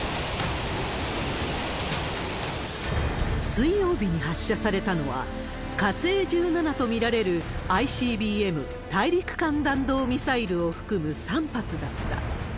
水曜日に発射されたのは、火星１７と見られるＩＣＢＭ・大陸間弾道ミサイルを含む３発だった。